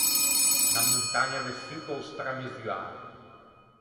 Unna montagna de succao stramesuâ.